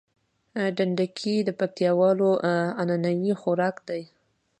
ډنډکی د پکتياوالو عنعنوي خوارک ده